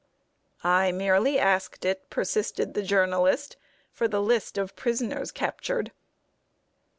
"I merely asked it," persisted the journalist, "for the list of prisoners captured."